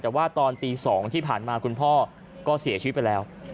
แต่ว่าตอนตี๒ที่ผ่านมาคุณพ่อก็เสียชีวิตไปแล้ว